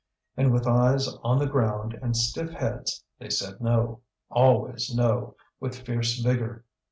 And with eyes on the ground and stiff heads they said no, always no, with fierce vigour.